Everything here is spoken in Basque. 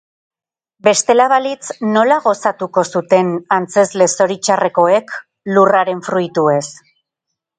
Bestela balitz, nola gozatuko zuten antzezle zoritxarrekoek lurraren fruituez?